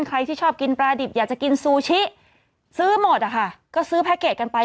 ใครที่ชอบกินปลาดิบอยากจะกินซูชิซื้อหมดอะค่ะก็ซื้อแพ็คเกจกันไป